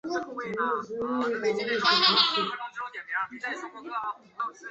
强兽人发动的多次进攻都被乱箭石头击退。